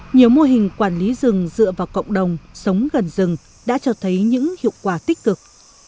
nhiều mô hình quản lý rừng dựa vào cộng đồng sống gần rừng đã cho thấy những hiệu quả tích cực